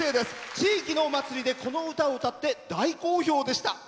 地域のお祭りでこの歌を歌って大好評でした。